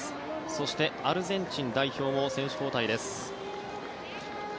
そして、アルゼンチン代表も選手交代です。